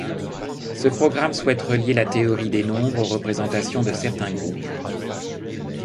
Ce programme souhaite relier la théorie des nombres aux représentations de certains groupes.